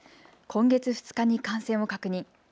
今月２日に感染を確認。